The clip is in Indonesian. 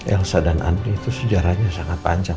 elsa dan antri itu sejarahnya sangat panjang